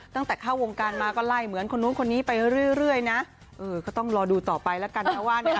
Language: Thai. ตั้งแต่เข้าวงการมาก็ไล่เหมือนคนนู้นคนนี้ไปเรื่อยนะเออก็ต้องรอดูต่อไปแล้วกันนะว่าเนี่ย